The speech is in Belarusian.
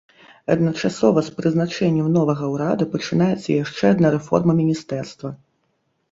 Адначасова з прызначэннем новага ўрада пачынаецца яшчэ адна рэформа міністэрства.